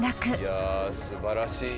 いやすばらしい。